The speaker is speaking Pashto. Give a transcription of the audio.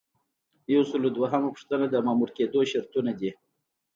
یو سل او دوهمه پوښتنه د مامور کیدو شرطونه دي.